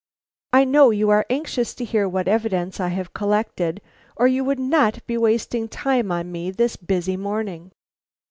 I know you are anxious to hear what evidence I have collected, or you would not be wasting time on me this busy morning."